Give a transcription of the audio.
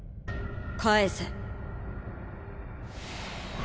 返せ。